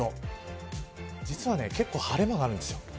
実は結構晴れ間があるんですよ